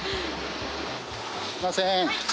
すいません。